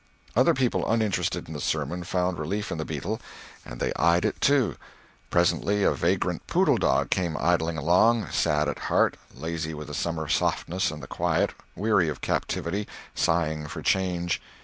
Other people uninterested in the sermon found relief in the beetle, and they eyed it too. Presently a vagrant poodle dog came idling along, sad at heart, lazy with the summer softness and the quiet, weary of captivity, sighing for change.